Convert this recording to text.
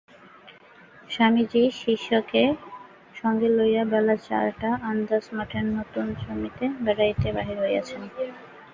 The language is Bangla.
স্বামীজী শিষ্যকে সঙ্গে লইয়া বেলা চারিটা আন্দাজ মঠের নূতন জমিতে বেড়াইতে বাহির হইয়াছেন।